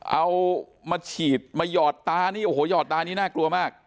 เอามาฉีดมาหยอดตานี่โอ้โหหอดตานี้น่ากลัวมาก